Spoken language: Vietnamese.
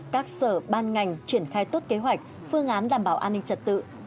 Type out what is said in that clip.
các sở ban ngành triển khai tốt kế hoạch phương án đảm bảo an ninh trật tự